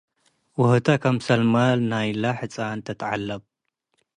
ወህተ- ክምሰል ማል ናይለ ሕጻን ትትዐለብ ።